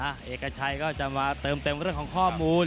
เอกชัยก็จะมาเติมเต็มเรื่องของข้อมูล